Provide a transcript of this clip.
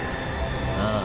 ああ。